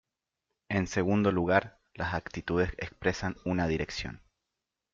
En segundo lugar, las actitudes expresan una dirección.